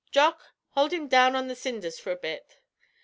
Jock, hould him down on the cindhers for a bit."